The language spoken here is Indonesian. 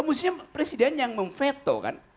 mestinya presiden yang memveto kan